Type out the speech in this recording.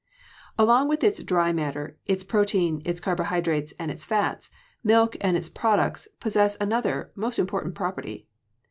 Along with its dry matter, its protein, its carbohydrates, and its fats, milk and its products possess another most important property.